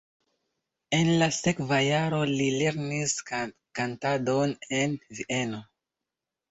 En la sekva jaro li lernis kantadon en Vieno.